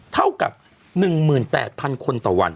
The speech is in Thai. เท่ากับ๑๘๐๐๐คนต่อวัน